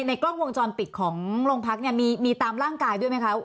ในกล้องวงจรปิดของโรงพักเนี่ยมีตามร่างกายด้วยไหมคะ